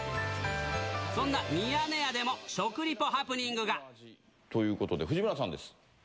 そんなミヤネ屋でも、食リポということで、藤村さんです。